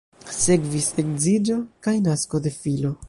Sekvis edziĝo kaj nasko de filo.